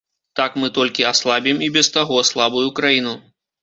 Так мы толькі аслабім і без таго слабую краіну.